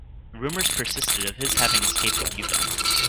Rumors persisted of his having escaped to Cuba.